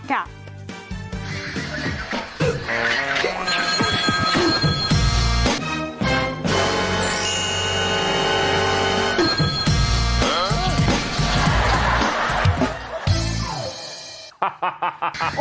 ค่ะค่ะ